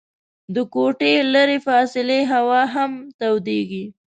د کوټې لیري فاصلې هوا هم تودیږي.